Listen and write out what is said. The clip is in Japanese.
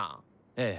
ええ。